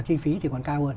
chi phí thì còn cao hơn